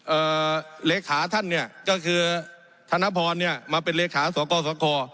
เลขาท่านเนี่ยก็คือธนพรเนี่ยมาเป็นเลขาสกสค